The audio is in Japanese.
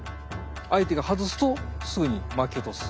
相手が外すとすぐに巻き落とす。